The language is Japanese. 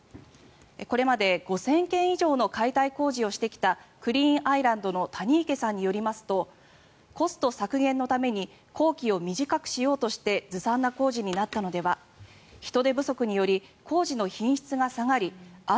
これまで５０００件以上の解体工事をしてきたクリーンアイランドの谷池さんによりますとコスト削減のために工期を短くしようとしてずさんな工事になったのでは人手不足により工事の品質が下がり安